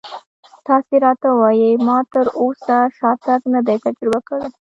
تاسې راته ووایئ ما تراوسه شاتګ نه دی تجربه کړی.